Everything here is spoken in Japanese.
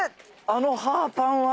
あのハーパンは。